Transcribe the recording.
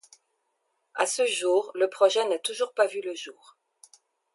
A ce jour, le projet n'a toujours pas vu le jour.